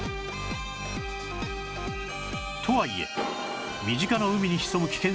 とはいえ身近な海に潜む危険